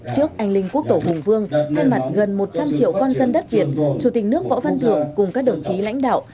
trước anh linh quốc tổ hùng vương thay mặt gần một trăm linh triệu quân dân đất việt chủ tịch nước võ văn thường cùng các đồng chí lãnh đạo